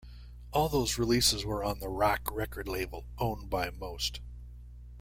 All those releases were on the Rak record label, owned by Most.